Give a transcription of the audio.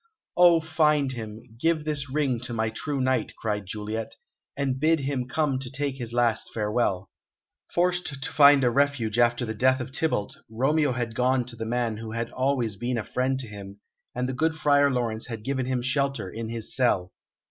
"Oh, find him! Give this ring to my true knight," cried Juliet, "and bid him come to take his last farewell." Forced to find a refuge after the death of Tybalt, Romeo had gone to the man who had always been a friend to him, and the good Friar Laurence had given him shelter in his cell.